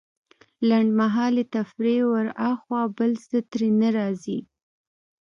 لنډمهالې تفريح وراخوا بل څه ترې نه راځي.